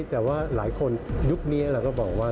แต่ว่าหลายคนยุคนี้เราก็บอกว่า